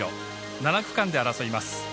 ７区間で争います。